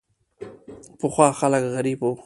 پخوا خلک غریب وو.